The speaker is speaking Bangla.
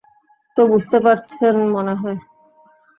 তো বুঝতে পারছেন মনে হয়?